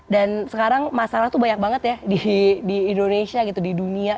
dan sekarang masalah tuh banyak banget ya di indonesia gitu di dunia